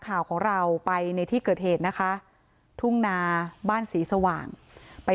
ข่าวของเราไปในที่เกิดเหตุนะคะทุ่งนาบ้านศรีสว่างไป